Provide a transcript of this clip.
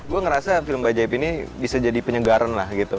gue ngerasa film bayi ini bisa jadi penyegaran lah gitu